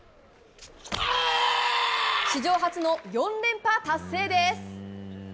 史上初の４連覇達成です。